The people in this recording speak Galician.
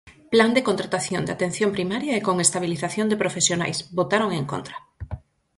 Plan de contratación de atención primaria e con estabilización de profesionais; votaron en contra.